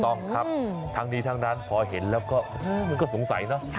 ต้องครับทั้งนี้ทั้งนั้นพอเห็นแล้วก็มันก็สงสัยเนอะ